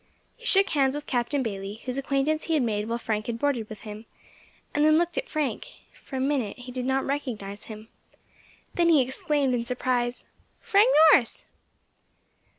He shook hands with Captain Bayley, whose acquaintance he had made while Frank had boarded with him, and then looked at Frank; for a minute he did not recognise him, then he exclaimed in surprise, "Frank Norris!"